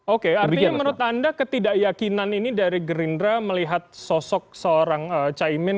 oke artinya menurut anda ketidakyakinan ini dari gerindra melihat sosok seorang caimin